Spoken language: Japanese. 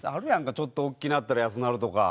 ちょっと大きなったら安なるとか。